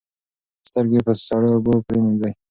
سترګې په سړو اوبو پریمنځئ.